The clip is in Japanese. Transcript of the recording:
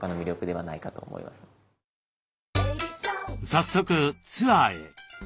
早速ツアーへ。